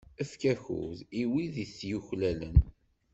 Efk afud i wid i t-yuklalen.